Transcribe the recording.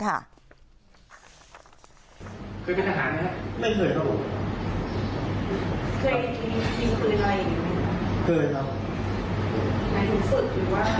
เคยไปทหารไหมครับไม่เคยครับผมเคยยิงปืนอะไรอย่างงี้ไหมครับ